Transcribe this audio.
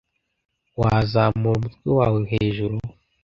Wazamura umutwe wawe hejuru,